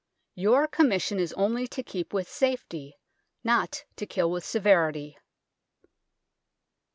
Your com mission is only to keep with safety, not to kill with severity.